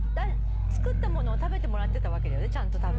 作った物を食べてもらってたわけだよね。